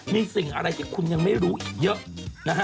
มีสิ่งอะไรที่คุณยังไม่รู้อีกเยอะนะฮะ